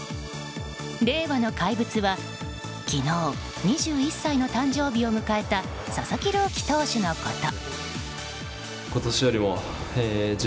令和の怪物は昨日２１歳の誕生日を迎えた佐々木朗希投手のこと。